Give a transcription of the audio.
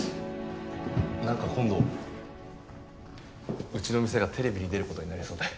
なんか今度うちの店がテレビに出る事になりそうで。